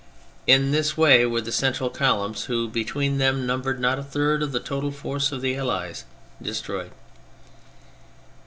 In this way were the central columns, who between them numbered not a third of the total force of the Allies, destroyed.